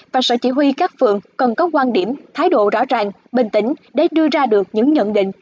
và sở chỉ huy các phường cần có quan điểm thái độ rõ ràng bình tĩnh để đưa ra được những nhận định